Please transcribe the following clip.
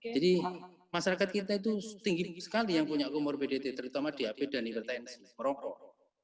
jadi masyarakat kita itu tinggi sekali yang punya comorbidity terutama diabetes dan ivertenis merokok